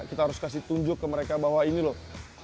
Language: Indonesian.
kita harus kasih tunjuk ke mereka bahwa ini loh